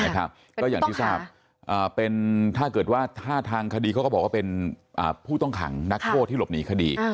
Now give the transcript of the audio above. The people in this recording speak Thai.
ก็อย่างที่ทราบถ้าเกิดว่าถ้าทางคดีเขาก็บอกว่าเป็นผู้ต้องขังนักโทษที่หลบหนีคดี